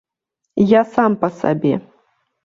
Я сам па сабе.